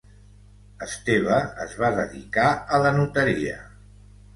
Esteve es va dedicar a la notaria.